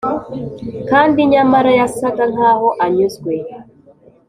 kandi nyamara yasaga nkaho anyuzwe.